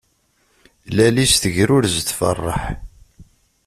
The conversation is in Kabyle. Lal-is tegrurez tferreḥ.